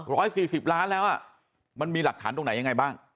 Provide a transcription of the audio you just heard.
ร้อยสี่สิบล้านแล้วอ่ะมันมีหลักฐานตรงไหนยังไงบ้าง